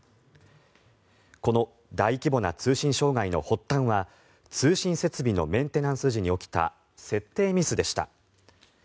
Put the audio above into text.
この大規模な通信障害の発端は通信設備のメンテナンス時に起きた設定ミスでした。